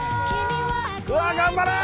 うわ頑張れ！